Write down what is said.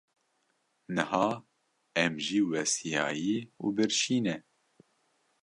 Niha em jî westiyayî û birçî ne.